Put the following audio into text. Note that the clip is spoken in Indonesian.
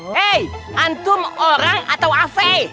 hei antum orang atau av